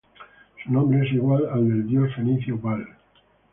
Su nombre es igual al del dios fenicio, Baal.